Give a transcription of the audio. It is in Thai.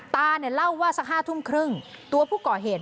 ตาเนี่ยเล่าว่าสัก๑๐๓๐ตัวผู้ก่อเหตุ